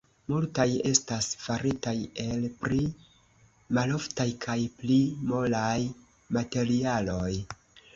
Multaj estas faritaj el pli maloftaj kaj pli molaj materialoj.